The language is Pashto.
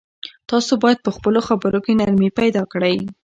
تاسو باید په خپلو خبرو کې نرمي پیدا کړئ.